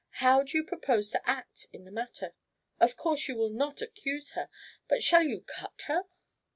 How do you propose to act in the matter? Of course you will not accuse her, but shall you cut her?"